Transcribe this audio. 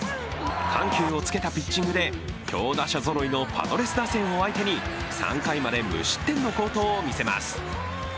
緩急を付けたピッチングで強打者ぞろいのパドレス打線を相手に３回まで無失点の好投を見せます。